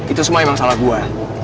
itu semua emang salah gue